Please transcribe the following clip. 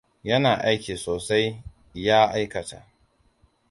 Yana aiki sosai. Ya aikata.